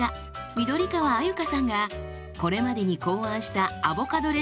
緑川鮎香さんがこれまでに考案したアボカドレシピ